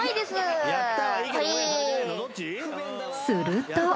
すると。